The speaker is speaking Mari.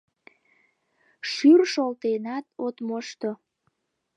Шӱр шолтенат от мошто...